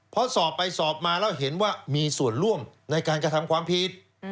เพราะสอบไปสอบมาแล้วเห็นว่ามีส่วนร่วมในการกระทำความผิด